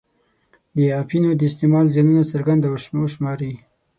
د اپینو د استعمال زیانونه څرګند او وشماري.